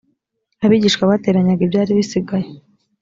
abigishwa bateranyaga ibyari bisigaye